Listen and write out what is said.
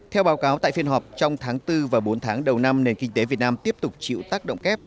theo báo cáo tại phiên họp trong tháng bốn và bốn tháng đầu năm nền kinh tế việt nam tiếp tục chịu tác động kép